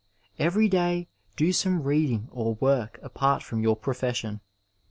^ Every day do some reading or work apart from your profession.